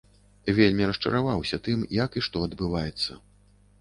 Вельмі расчараваўся тым, як і што адбываецца.